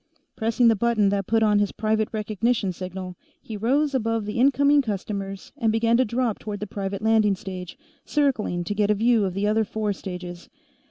Pressing the button that put on his private recognition signal, he rose above the incoming customers and began to drop toward the private landing stage, circling to get a view of the other four stages.